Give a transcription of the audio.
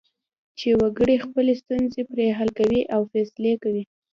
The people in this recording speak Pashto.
چې وګړي خپلې ستونزې پرې حل کوي او فیصلې کوي.